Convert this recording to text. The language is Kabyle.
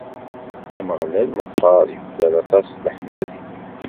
Ameɣlal meqqer, yuklal aṭas leḥmadi.